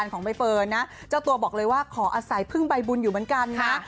ของใบเฟิร์นนะเจ้าตัวบอกเลยว่าขออาศัยพึ่งใบบุญอยู่เหมือนกันนะ